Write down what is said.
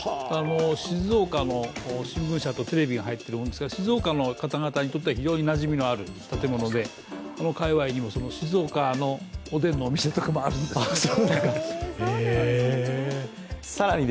静岡の新聞社とテレビが入っている方は、静岡の方々にとっては非常になじみがある建物でこの界隈にも静岡のおでんのお店とかもあります。